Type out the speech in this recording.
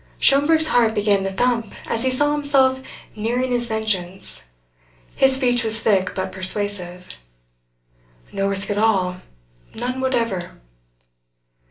Schomberg's heart began to thump as he saw himself nearing his vengeance. His speech was thick but persuasive. "No risk at all none whatever."